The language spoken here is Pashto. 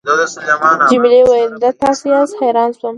جميلې وويل:: دا تاسي یاست، حیرانه شوم.